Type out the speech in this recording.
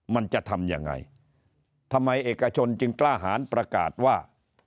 มันจะทำยังไงทำไมเอกชนจึงกล้าหารประกาศว่า